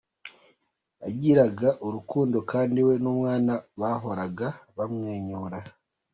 Yagiraga urukundo kandi we n’umwana we bahoraga bamwenyura.